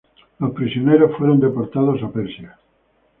Los prisioneros fueron deportados a Persia.